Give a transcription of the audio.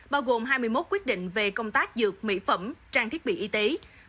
bao gồm hai mươi một quyết định về công tác dược mỹ phẩm trang thiết bị y tế